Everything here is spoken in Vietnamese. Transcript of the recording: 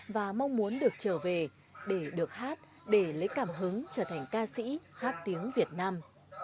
và mong muốn được trở về để được hát để lấy cảm hứng trở thành ca sĩ hát tiếng việt nam